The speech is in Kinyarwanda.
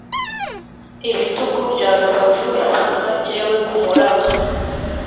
ibitugu bya rubavu bisanga njyewe kumuraba